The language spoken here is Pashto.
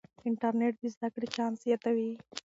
انټرنیټ د زده کړې چانس زیاتوي.